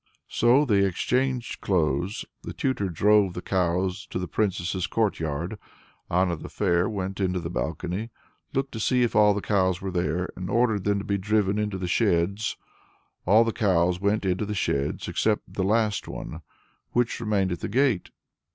So they exchanged clothes. The tutor drove the cows to the Princess's courtyard. Anna the Fair went into the balcony, looked to see if all the cows were there, and ordered them to be driven into the sheds. All the cows went into the sheds except the last one, which remained at the gate.